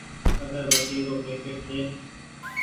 اگربتي رو پيڪيٽ ڇي۔